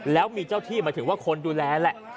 แล้วมีเจ้าที่หมายถึงว่าคนดูแลแหละ